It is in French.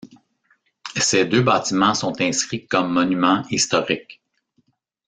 Ces deux bâtiments sont inscrits comme Monuments historiques.